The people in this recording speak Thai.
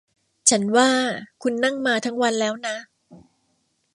ฉันว่าคุณนั่งมาทั้งวันแล้วนะ